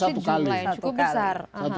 nah itu pasti jumlahnya cukup besar